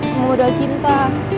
kamu udah cinta